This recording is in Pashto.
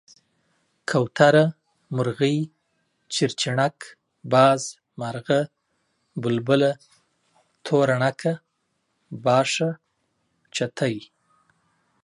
کوتره، مرغۍ، چيرچيڼک، باز، مارغه ،بلبله، توره ڼکه، باښه، چتی،